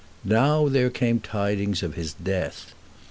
Now there came the tidings of his death.